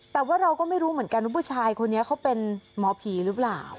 แต่ว่าเราก็ไม่รู้เหมือนกันว่าผู้ชายคนนี้เขาเป็นหมอผีหรือเปล่า